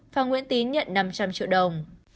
phan nguyễn tín nhận năm trăm linh triệu đồng